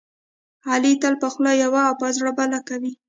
علي تل په خوله یوه او په زړه بله کوي.